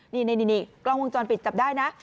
นี่กล้องวงจรปิดจับได้นะ